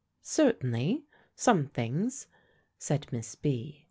"Certainly; some things," said Miss B.